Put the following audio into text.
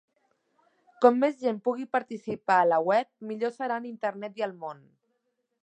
Com més gent pugui participar a la web, millors seran Internet i el món.